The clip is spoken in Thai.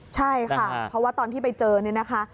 ใช่ค่ะเพราะว่าตอนที่ไปเจอเนี่ยนะคะ